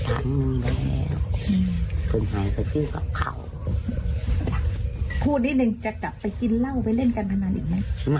จะจับไปกินเหล้าไปเล่นกันมาณอีกมั้ย